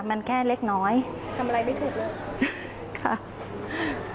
มันแค่เล็กน้อยทำอะไรไม่ถูกเลยค่ะ